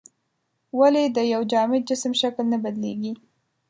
ولې د یو جامد جسم شکل نه بدلیږي؟